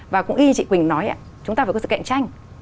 và cũng y như chị quỳnh nói ạ chúng ta phải có sự cạnh tranh